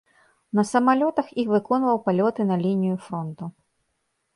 На самалётах і выконваў палёты на лінію фронту.